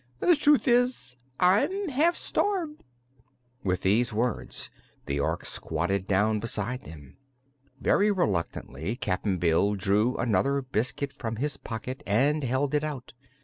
The truth is, I'm half starved." With these words the Ork squatted down beside them. Very reluctantly Cap'n Bill drew another biscuit from his pocket and held it out.